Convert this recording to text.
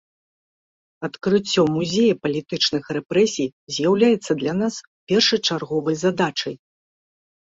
Адкрыццё музея палітычных рэпрэсій з'яўляецца для нас першачарговай задачай.